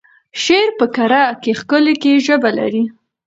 شعر په کره کېښکلې ژبه لري.